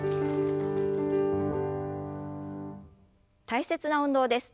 大切な運動です。